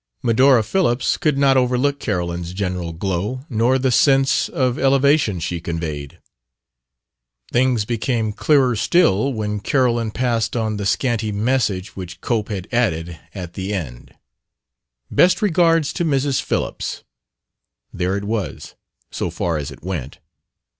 Medora Phillips could not overlook Carolyn's general glow, nor the sense of elevation she conveyed. Things became clearer still when Carolyn passed on the scanty message which Cope had added at the end. "Best regards to Mrs. Phillips" there it was, so far as it went.